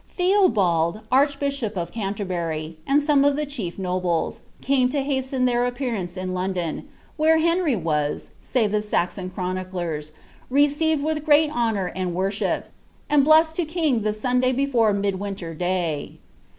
Theobald archbishop of Canierbury, and some of the chief iiebte came to hasten their appearance in London, "^ where Henry wai,''a7 the Saxon chroniclers, "received with great honour and worafaip, ai blessed to king the Sunday before illidwinter^ay."